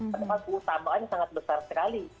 padahal keutamaannya sangat besar sekali